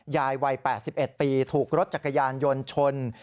ยายวัย๘๑ปีถูกรถจักรยานยนต์ชน